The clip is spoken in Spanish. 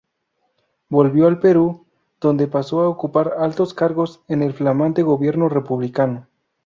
Volvió al Perú, donde pasó a ocupar altos cargos en el flamante gobierno republicano.